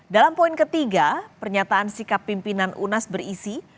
dalam poin ketiga pernyataan sikap pimpinan unas berisi